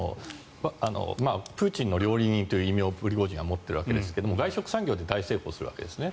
プーチンの料理人という異名をプリゴジンは持っているんですが外食産業で大成功するんですね。